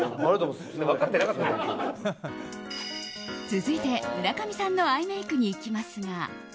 続いて、村上さんのアイメイクにいきますが。